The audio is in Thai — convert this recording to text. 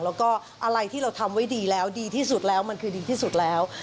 แล้วก็อะไรที่เราทำไว้ดีแล้วดีที่สุดแล้วมันคือดีที่สุดแล้ว